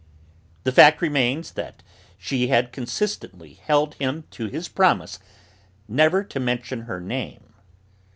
The fact remains that she had consistently held him to his promise never to mention her name.